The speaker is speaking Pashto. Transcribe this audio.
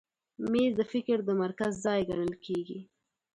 مېز د فکر د مرکز ځای ګڼل کېږي.